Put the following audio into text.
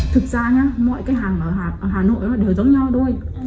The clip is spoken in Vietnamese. thực ra nha mọi cái hàng ở hà nội đều giống nhau đôi